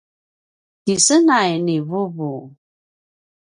kisenay ni vuvu